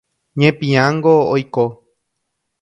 Ñepiãngo oiko.